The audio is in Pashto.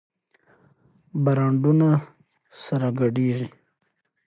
برانډونه سره ګډېږي.